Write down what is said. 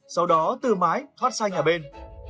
sau đó từ mái thoát sang nhà bên